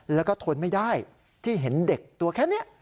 แล้วก็ทนไม่ได้ที่เห็นเด็กตัวแค่นี้